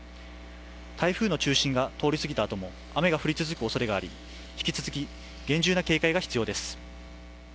台風の中心が通り過ぎたあとも雨が降り続くおそれがあり引き続き厳重な警戒が必要です。